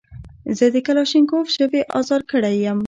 زه د کلاشینکوف ژبې ازار کړی یم.